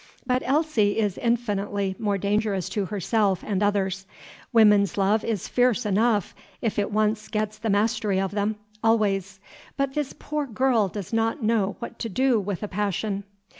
But Elsie is infinitely more dangerous to herself and others. Women's love is fierce enough, if it once gets the mastery of them, always; but this poor girl does not know what to do with a passion."